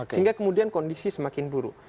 sehingga kemudian kondisi semakin buruk